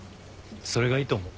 それがいいと思う。